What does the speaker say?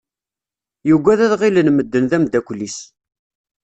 Yuggad ad ɣilen medden d ameddakel-is.